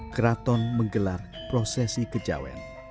keraton menggelar prosesi kejawen